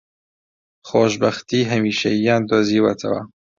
خۆشبەختیی هەمیشەییان دۆزیوەتەوە